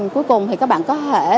cuối cùng thì các bạn có thể